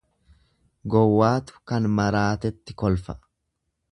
Gowwaatu kan maraatetti kolfa.